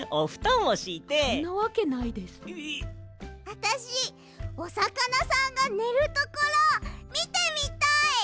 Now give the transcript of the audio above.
あたしおさかなさんがねるところみてみたい！